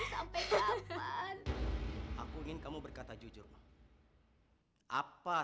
sampai jumpa di video selanjutnya